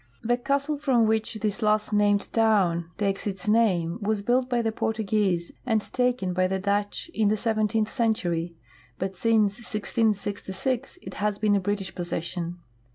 The castle from which this last named town takes its name was built by the Portuguese and taken by the Dutch in the seventeenth century, but since 166(> it has been a British possession.